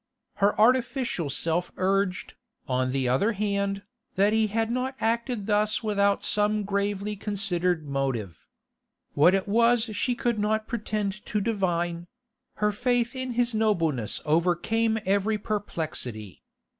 Her artificial self urged, on the other hand, that he had not acted thus without some gravely considered motive. What it was she could not pretend to divine; her faith in his nobleness overcame every perplexity.